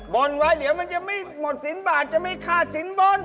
บนไว้เดี๋ยวมันจะไม่หมดสินบาทจะไม่ค่าสินบน